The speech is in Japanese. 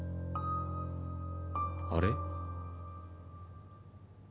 あれ？